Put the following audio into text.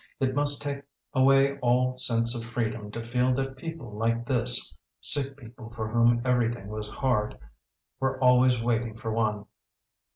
It must take away all sense of freedom to feel that people like this, sick people for whom everything was hard, were always waiting for one.